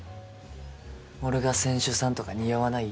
俺が船主さんとか似合わない？